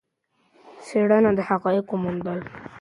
څېړنه د حقایقو موندلو یوه وسيله ده.